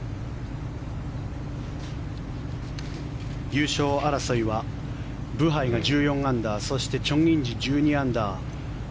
優勝争いはブハイが１４アンダーそしてチョン・インジ、１２アンダー。